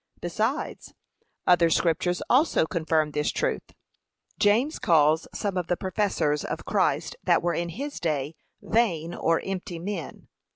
Besides, other scriptures also confirm this truth. James calls I some of the professors of Christ that were in his day vain or empty men.